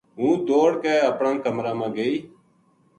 ہوں دوڑ کے اپنا کمرا ما گئی